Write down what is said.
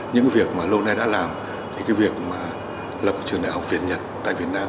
những cái việc mà lâu nay đã làm thì cái việc mà lập trường đại học việt nhật tại việt nam